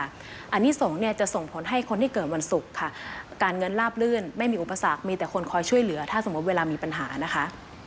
อันนี้สงฆ์เนี่ยจะส่งผลให้คนที่เกิดวันศุกร์ค่ะการเงินลาบลื่นไม่มีอุปสรรคมีแต่คนคอยช่วยเหลือถ้าสมมุติเวลามีปัญหานะคะ